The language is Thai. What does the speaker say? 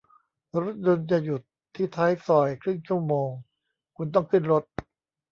รถยนต์จะหยุดที่ท้ายซอยครึ่งชั่วโมง คุณต้องขึ้นรถ